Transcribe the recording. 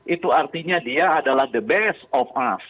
itu artinya dia adalah the best of